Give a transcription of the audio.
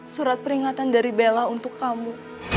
surat peringatan dari bella untuk kamu